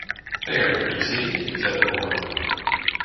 “There, you see,” said the boy.